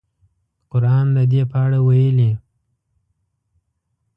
قران د دې په اړه ویلي.